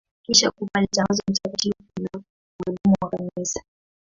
Kisha kufa alitangazwa mtakatifu na mwalimu wa Kanisa.